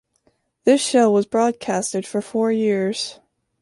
This show was broadcasted for four years.